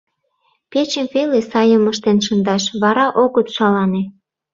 Печым веле сайым ыштен шындаш, вара огыт шалане».